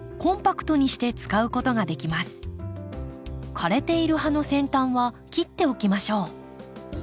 枯れている葉の先端は切っておきましょう。